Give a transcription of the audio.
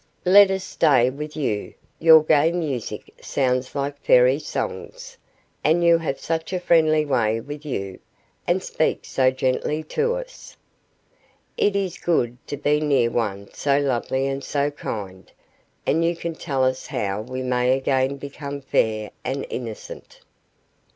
Let us stay with you; your gay music sounds like Fairy songs, and you have such a friendly way with you, and speak so gently to us. It is good to be near one so lovely and so kind; and you can tell us how we may again become fair and innocent.